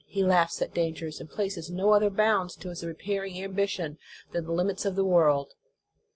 He laughs at dangers, and places no other bounds to his repairing ambition than the limits of the world.